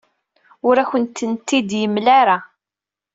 Ur akent-tent-id-yemla ara.